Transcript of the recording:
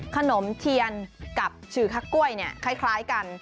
ขนมเทียนกับฉือคักกล้วยคล้ายกัน